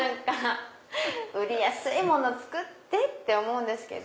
売りやすいもの作って！って思うんですけど。